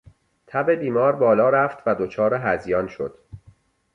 تب بیمار بالا رفت و دچار هذیان شد.